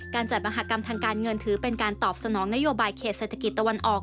จัดมหากรรมทางการเงินถือเป็นการตอบสนองนโยบายเขตเศรษฐกิจตะวันออก